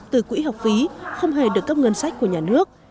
từ quỹ học phí không hề được cấp ngân sách của nhà nước